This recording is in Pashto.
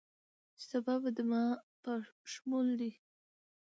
چې سبا به دما په شمول دې